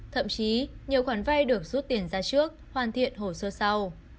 thậm chí nhiều khoản vay được rút tiền ra trước hoàn thiện hồ sơ sau